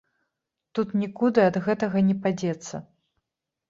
Тут нікуды ад гэтага не падзецца.